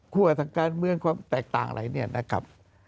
ทางการเมืองความแตกต่างอะไรเนี่ยนะครับ